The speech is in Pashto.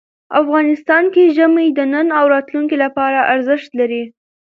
افغانستان کې ژمی د نن او راتلونکي لپاره ارزښت لري.